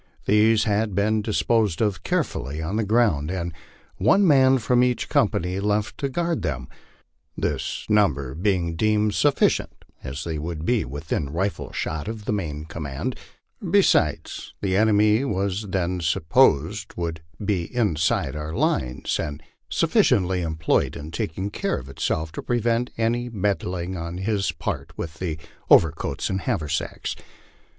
These had been disposed of carefully on the ground, and one man from each company left to guard them, this number be ing deemed sufficient, as they would be within rifle shot of the main command; besides, the enemy as was then supposed would be inside our lines and suffi ciently employed in taking care of himself to prevent any meddling on his part with the overco its and haversacks.